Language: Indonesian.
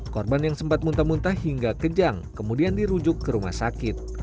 korban yang sempat muntah muntah hingga kejang kemudian dirujuk ke rumah sakit